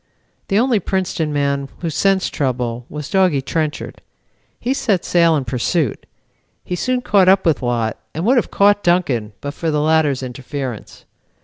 The only Princeton man who sensed trouble was Doggy Trenchard. He set sail in pursuit. He soon caught up with Lott and would have caught Duncan, but for the latter's interference.